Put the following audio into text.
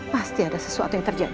pasti ada sesuatu yang terjadi